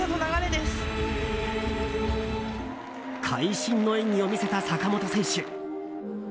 会心の演技を見せた坂本選手。